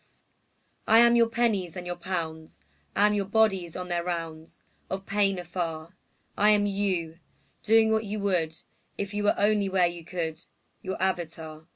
188 AUXILIARIES I am your pennies and your pounds; I am your bodies on their rounds Of pain afar; I am you, doing what you would If you were only where you could —■ Your avatar.